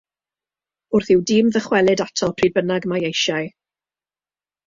Wrth i'w dîm ddychwelyd ato pryd bynnag mae eisiau.